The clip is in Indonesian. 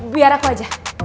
biar aku aja